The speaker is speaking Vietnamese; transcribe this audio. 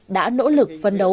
đã nỗ lực phấn đấu